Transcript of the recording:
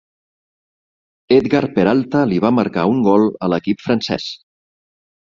Edgar Peralta li va marcar un gol a l'equip francès.